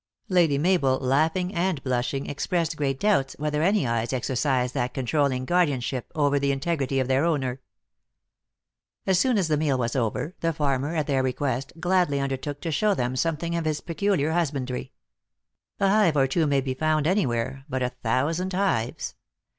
Lady Mabel, laughing and blushing, expressed great doubts whether any eyes exercised that controlling guardianship over the integrity of their owner. As soon as the meal was over, the farmer, at their request, gladly undertook to show them some thing of his peculiar husbandry. A hive or two may be found any where but a thousand hives